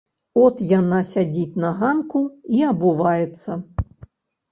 От яна сядзіць на ганку і абуваецца.